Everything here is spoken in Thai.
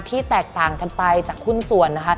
แตกต่างกันไปจากหุ้นส่วนนะคะ